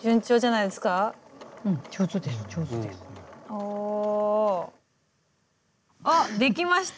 おお。あっできました！